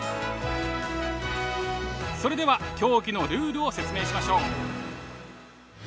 それでは競技のルールを説明しましょう。